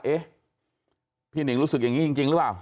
เอ๊ะพี่หนิงรู้สึกอย่างนี้จริงหรือเปล่า